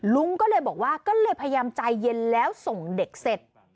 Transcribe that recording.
ลุงก็เลยบอกว่าก็เลยพยายามใจเย็นแล้วส่งเด็กเสร็จ